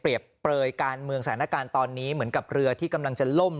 เปลยการเมืองสถานการณ์ตอนนี้เหมือนกับเรือที่กำลังจะล่ม